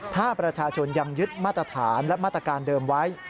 ถ้าประชาชนยังยึดมาตรฐานและมาตรการเดิมไว้